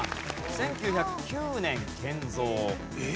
１９０９年建造。えっ？